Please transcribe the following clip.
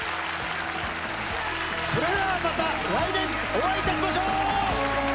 それではまた来年お会いいたしましょう！